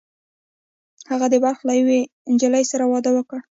هغه د بلخ له یوې نجلۍ سره واده وکړ